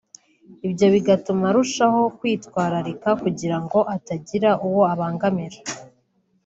ibyo bigatuma arushaho kwitwararika kugira ngo atagira uwo abangamira